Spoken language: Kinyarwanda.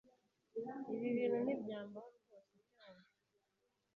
ibi bintu ntibyambaho rwose byumve